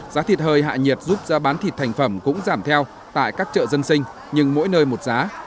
giá thịt hơi hạ nhiệt giúp giá bán thịt thành phẩm cũng giảm theo tại các chợ dân sinh nhưng mỗi nơi một giá